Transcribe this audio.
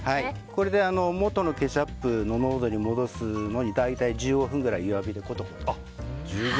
これで元のケチャップの濃度に戻すのに大体１５分くらい弱火でコトコト。